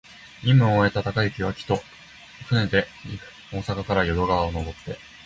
任期を終えた貫之は、帰途、船で大阪から淀川をのぼって、